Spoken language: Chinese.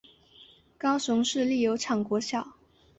高雄市立油厂国小